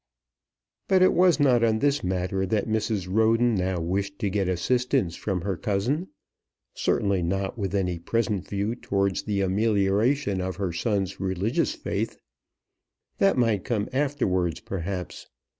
But it was not on this matter that Mrs. Roden now wished to get assistance from her cousin; certainly not with any present view towards the amelioration of her son's religious faith. That might come afterwards perhaps.